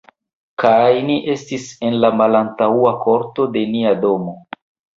Kaj ni estis en la malantaŭa korto de nia domo.